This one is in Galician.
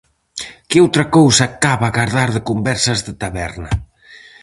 Que outra cousa cabe agardar de conversas de taberna?